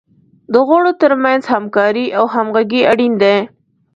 د غړو تر منځ همکاري او همغږي اړین دی.